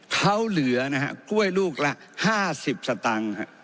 เขาเหลือนะฮะกล้วยลูกละ๕๐สตางค์